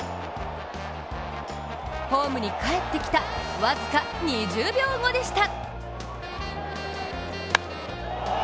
ホームに帰ってきた僅か２０秒後でした！